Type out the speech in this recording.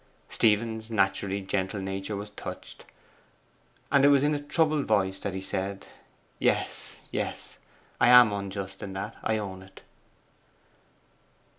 Stephen's naturally gentle nature was touched, and it was in a troubled voice that he said, 'Yes, yes. I am unjust in that I own it.